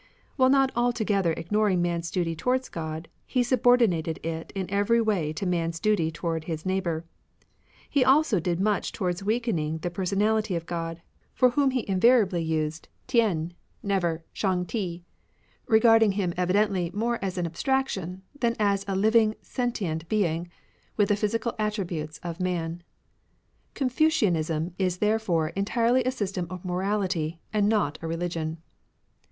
While not altogether ignoring man's duty towards God, he subordinated it in every way to man's duty towards his neighbour. He also did much towards weakening the per sonality of God, for whom he invariably used 36 CONFUCIANISM THeriy never Shang Ti, regarding Him evidently more as an abstraction than as a living sentient Being, with the physical attributes of man. Confucianism is therefore entirely a system of morality, and not a religion.